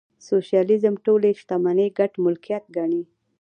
سوشیالیزم ټولې شتمنۍ ګډ ملکیت ګڼي.